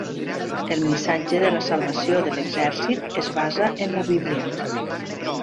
El missatge de la salvació de l'exèrcit es basa en la Bíblia.